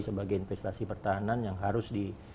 sebagai investasi pertahanan yang harus di